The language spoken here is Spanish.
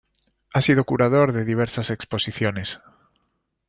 Ha sido curador de diversas exposiciones.